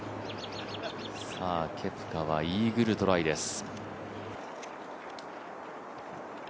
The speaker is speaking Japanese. さあケプカはイーグルトライです。